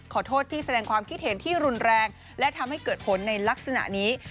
ขอโทษที่แสดงความคิดเห็นที่รุนแรงและทำให้เกิดผลในลักษณะนี้